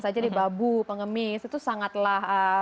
saja di babu pengemis itu sangatlah